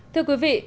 thưa quý vị